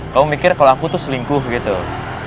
kamu mikir kalau aku tuh selingkuh gitu